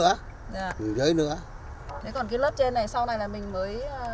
còn cái lớp trên này sau này là mình mới